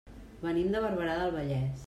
Venim de Barberà del Vallès.